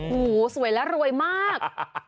โอ้โหสวยและรวยมาก